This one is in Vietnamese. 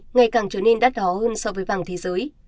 ngày càng trở nên đắt đó hơn so với vàng thế giới